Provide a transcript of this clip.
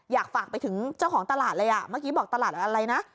อยากฝากไปถึงเจ้าของตลาดเลยอ่ะเมื่อกี้บอกตลาดอะไรนะ